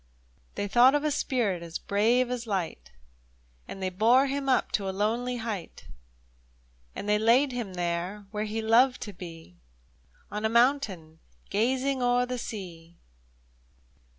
They thought of a spirit as brave as light, And they bore him up to a lonely height, And they laid him there, where he loved to be, On a mountain gazing o'er the sea